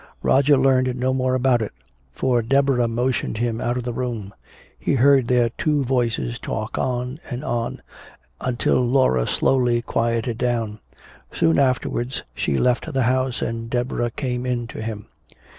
Roger learned no more about it, for Deborah motioned him out of the room. He heard their two voices talk on and on, until Laura's slowly quieted down. Soon afterwards she left the house, and Deborah came in to him.